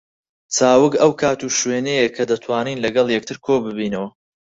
چاوگ ئەو کات و شوێنەیە کە دەتوانین لەگەڵ یەکتر کۆ ببینەوە